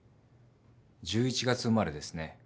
１１月生まれですね。